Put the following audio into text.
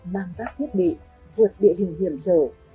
mang vác thiết bị vượt địa hình hiểm trở